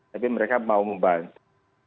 tapi mereka mau membantu